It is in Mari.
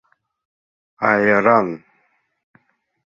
— Аяран.